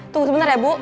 tunggu sebentar ya bu